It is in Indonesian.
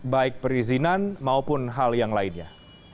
baik perizinan maupun hal yang lainnya